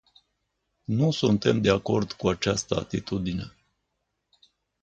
Nu suntem de acord cu această atitudine.